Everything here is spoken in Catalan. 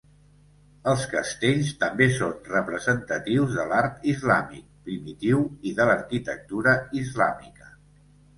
Els castells també són representatius de l'art islàmic primitiu i de l'arquitectura islàmica.